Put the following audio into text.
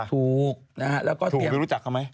ถูกแล้วก็เตรียมถูกรู้จักเขาไหม